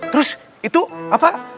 terus itu apa